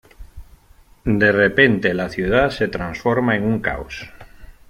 De repente, la ciudad se transforma en un caos.